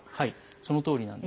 そのとおりなんですね。